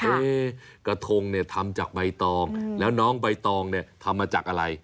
เอ๊ะกระทงทำจากใบตองแล้วน้องใบตองทำมาจากอะไร